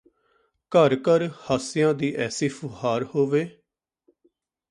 ਘਰ ਘਰ ਹਾਸਿਆਂ ਦੀ ਐਸੀ ਫ਼ੁਹਾਰ ਹੋਵੇ